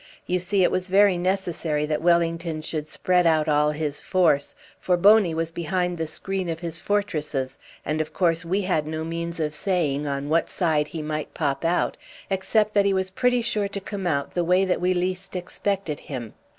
You see, it was very necessary that Wellington should spread out all his force, for Boney was behind the screen of his fortresses, and of course we had no means of saying on what side he might pop out, except that he was pretty sure to come the way that we least expected him.